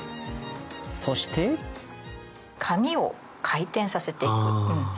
そして紙を回転させていく。